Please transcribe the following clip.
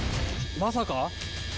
まさか？